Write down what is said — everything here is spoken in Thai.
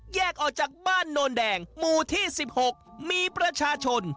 แยกออกจากบ้านโนนแดงหมู่ที่๑๖มีประชาชน